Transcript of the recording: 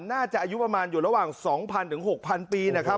อายุประมาณอยู่ระหว่าง๒๐๐ถึง๖๐๐ปีนะครับ